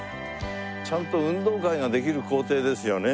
ちゃんと運動会ができる校庭ですよね。